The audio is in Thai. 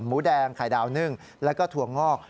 หมูแดงไข่ดาวนึ่งแล้วก็ถั่วงอก